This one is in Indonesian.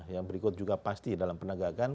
yang berikut juga pasti dalam penegakan